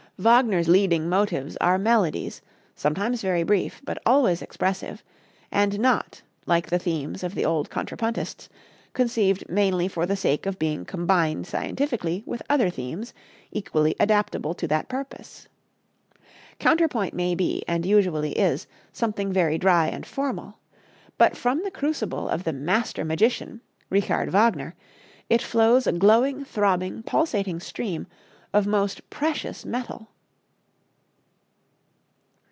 Wagner's leading motives are melodies, sometimes very brief, but always expressive, and not, like the themes of the old contrapuntists, conceived mainly for the sake of being combined scientifically with other themes equally adaptable to that purpose. Counterpoint may be, and usually is, something very dry and formal. But from the crucible of the master magician, Richard Wagner, it flows a glowing, throbbing, pulsating stream of most precious metal.